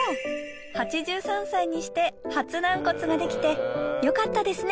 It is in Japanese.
８３歳にして初軟骨ができてよかったですね